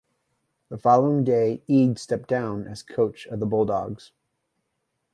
The following day, Eade stepped down as coach of the Bulldogs.